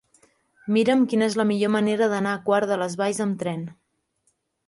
Mira'm quina és la millor manera d'anar a Quart de les Valls amb tren.